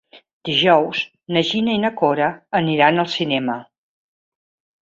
Dijous na Gina i na Cora aniran al cinema.